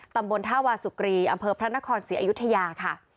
ตำบลท่าวาสุกรีอำเภอพระนครศรีอยุธยาค่ะ